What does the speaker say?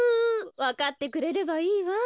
わかってくれればいいわ。